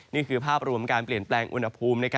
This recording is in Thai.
นี่คือภาพรวมการเปลี่ยนแปลงอุณหภูมิ